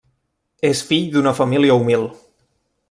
És fill d'una família humil.